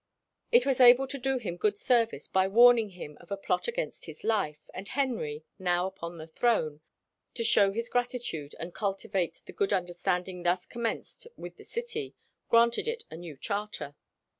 It was able to do him good service by warning him of a plot against his life, and Henry, now upon the throne, to show his gratitude, and "cultivate the good understanding thus commenced with the city, granted it a new charter."